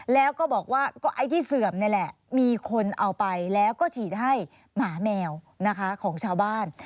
แล้วก็บอกว่าก็ไอ้ที่เสื่อมนี่แหละมีคนเอาไปแล้วก็ฉีดให้หมาแมวนะคะของชาวบ้าน